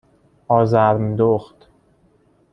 آزرم دخت